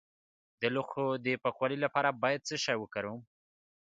د لوښو د پاکوالي لپاره باید څه شی وکاروم؟